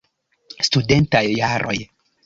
Studentaj jaroj.